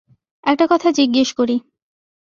একটা কথা জিজ্ঞেস করি!